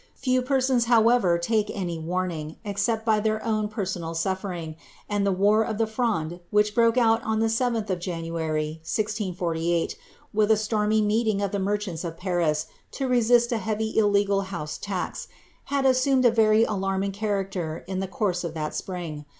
^ Few persons, however, take any warning, except by their own personal sal^ fering ; and tlie war of the Fronde, which broke out on the 7th of Jan uary, 1648, with a stormy meeting of the merchants of Paris, to resist a heavy illegal house tax, had assumed a very alarming character in the course of that spring.